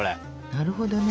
なるほどね。